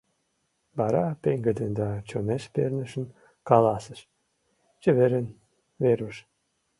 Вара пеҥгыдын да чонеш пернышын каласыш: — Чеверын, Веруш!